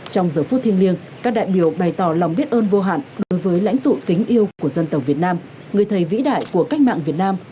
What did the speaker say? trong giờ phút thiêng liêng các đại biểu bày tỏ lòng biết ơn vô hạn đối với lãnh tụ kính yêu của dân tộc việt nam người thầy vĩ đại của cách mạng việt nam